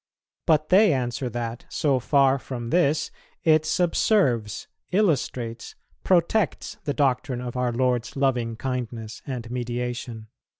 But they answer that, so far from this, it subserves, illustrates, protects the doctrine of our Lord's loving kindness and mediation.